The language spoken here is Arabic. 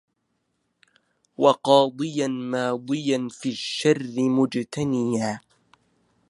وقاضيا ماضيا في الشر مجتنيا